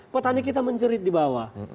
petani kita menjerit di bawah